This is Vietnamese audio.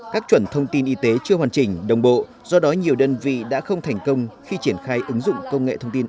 các chuẩn thông tin y tế chưa hoàn chỉnh đồng bộ do đó nhiều đơn vị đã không thành công khi triển khai ứng dụng công nghệ thông tin